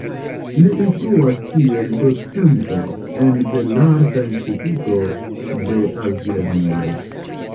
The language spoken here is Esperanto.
Li instruas kiel docento en belarta instituto de altlernejo.